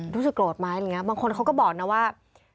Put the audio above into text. รู้สึกโกรธไหมบางคนเขาก็บอกนะว่า